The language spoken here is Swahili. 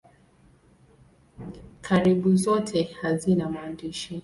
Karibu zote hazina maandishi.